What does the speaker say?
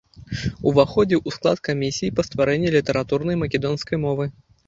Уваходзіў у склад камісіі па стварэнні літаратурнай македонскай мовы.